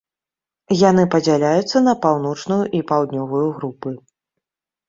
Яны падзяляюцца на паўночную і паўднёвую групы.